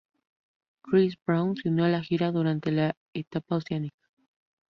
Chris Brown se unió a la gira durante la etapa Oceánica.